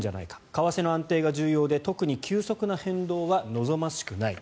為替の安定が重要で特に急速な変動は望ましくない。